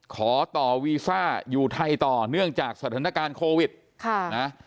ขอต่อวีซ่าอยู่ไทยต่อเนื่องจากสถานการณ์โควิดค่ะนะ